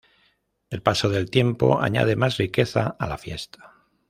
El paso del tiempo añade más riqueza a la fiesta.